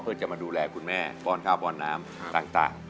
เพื่อจะมาดูแลคุณแม่ป้อนข้าวป้อนน้ำต่าง